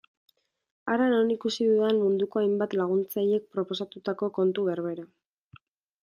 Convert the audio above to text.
Hara non ikusi dudan munduko hainbat laguntzailek proposatutako kontu berbera.